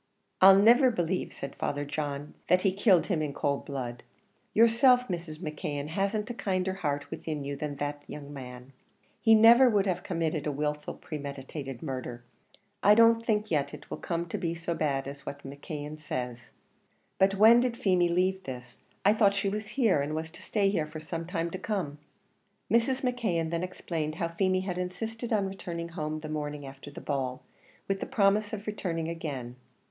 "I'll never believe," said Father John, "that he killed him in cold blood. Yourself, Mrs. McKeon hasn't a kinder heart within you than that young man; he never would have committed a wilful, premeditated murder; I don't think yet it will come to be so bad as what McKeon says. But when did Feemy leave this? I thought she was here, and was to stay here for some time to come." Mrs. McKeon then explained how Feemy had insisted on returning home the morning after the ball, with the promise of returning again.